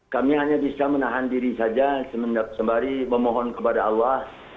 kami hanya bisa menahan diri saja sembari memohon kepada allah